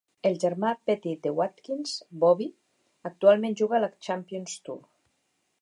El germà petit de Wadkins, Bobby, actualment juga a la Champions Tour.